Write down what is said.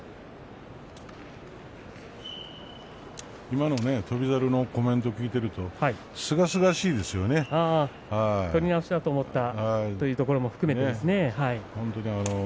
今の翔猿のコメントを聞いていると取り直しだと思ったというところも含めてですね。